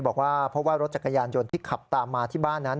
บอกว่าเพราะว่ารถจักรยานยนต์ที่ขับตามมาที่บ้านนั้น